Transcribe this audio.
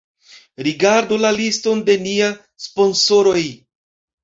Rigardu la liston de niaj sponsoroj